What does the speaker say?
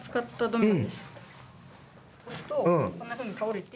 押すとこんなふうに倒れて。